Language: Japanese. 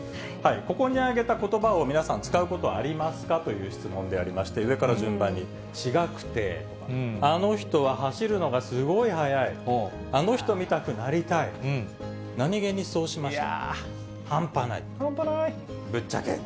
ここに挙げたことばを皆さん、使うことはありますかという質問でありまして、上から順番に、ちがくて、あの人は走るのがすごい速い、あの人みたくなりたい、なにげにそうしました、半端ない、ぶっちゃけ。